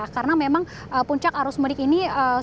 karena memang puncak arus mudik ini